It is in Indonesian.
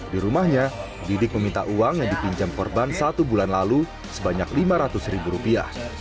di rumahnya didik meminta uang yang dipinjam korban satu bulan lalu sebanyak lima ratus ribu rupiah